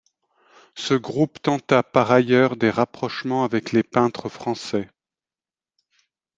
Ce groupe tenta par ailleurs des rapprochements avec les peintres français.